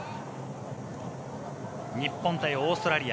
日本対オーストラリア。